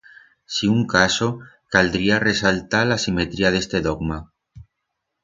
Si un caso, caldría resaltar l'asimetría d'este dogma.